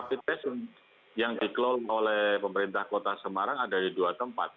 rapid test yang dikelola oleh pemerintah kota semarang ada di dua tempat